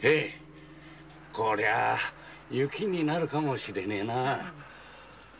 こりゃあ雪になるかもしれねえなァ。